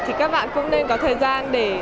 thì các bạn cũng nên có thời gian để